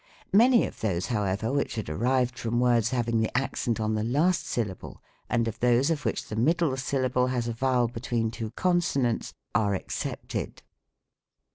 Many of those, however, which are derived from words having the accent on the last syllable and of those of which the middle syllable has a vowel between two consonants, are excepted.